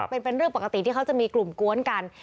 เป็นเรื่องปกติที่เขาจะมีกลุ่มกวนกัน